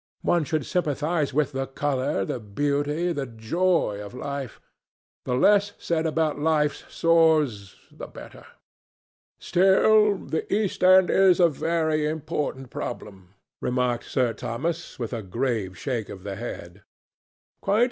One should sympathize with the colour, the beauty, the joy of life. The less said about life's sores, the better." "Still, the East End is a very important problem," remarked Sir Thomas with a grave shake of the head.